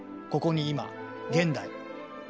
ここに今現代。